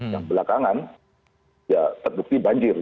yang belakangan ya terbukti banjir